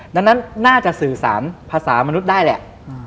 ดังนั้นน่าจะสื่อสารภาษามนุษย์ได้แหละ